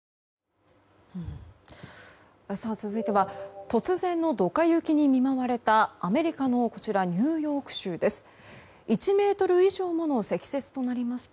続いては突然のドカ雪に見舞われたアメリカのニューヨーク州です。